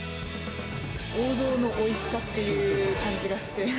王道のおいしさっていう感じ